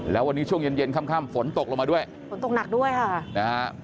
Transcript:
แล้ววันนี้ช่วงเย็นเย็นค่ำฝนตกลงมาด้วยฝนตกหนักด้วยค่ะนะฮะ